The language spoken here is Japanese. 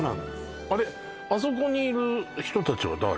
あれっあそこにいる人達は誰？